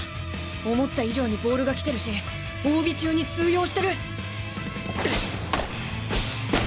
思った以上にボールが来てるし大尾中に通用してる！